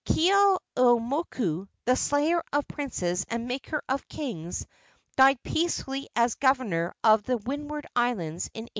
Keeaumoku, the slayer of princes and maker of kings, died peacefully as governor of the windward islands in 1804.